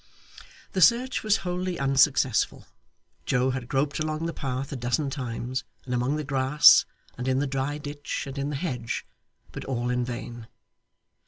The search was wholly unsuccessful. Joe had groped along the path a dozen times, and among the grass, and in the dry ditch, and in the hedge, but all in vain.